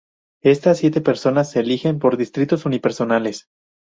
Estas siete personas se eligen por distritos unipersonales.